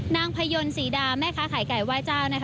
พยนต์ศรีดาแม่ค้าขายไก่ไหว้เจ้า